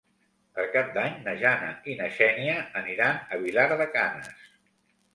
Per Cap d'Any na Jana i na Xènia aniran a Vilar de Canes.